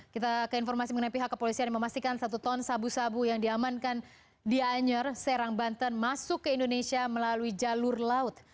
kita ke informasi mengenai pihak kepolisian yang memastikan satu ton sabu sabu yang diamankan di anyer serang banten masuk ke indonesia melalui jalur laut